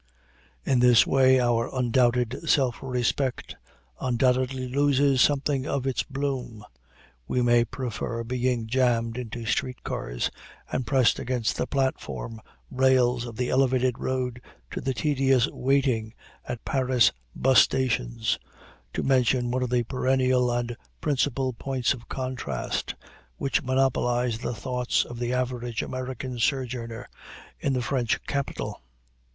In this way our undoubted self respect undoubtedly loses something of its bloom. We may prefer being jammed into street cars and pressed against the platform rails of the elevated road to the tedious waiting at Paris 'bus stations to mention one of the perennial and principal points of contrast which monopolize the thoughts of the average American sojourner in the French capital.